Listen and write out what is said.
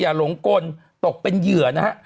หลงกลตกเป็นเหยื่อนะฮะ